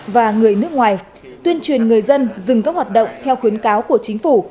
và người nước ngoài tuyên truyền người dân dừng các hoạt động theo khuyến cáo của chính phủ